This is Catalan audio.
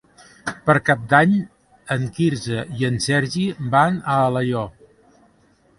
Per Cap d'Any en Quirze i en Sergi van a Alaior.